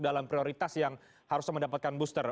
dalam prioritas yang harusnya mendapatkan booster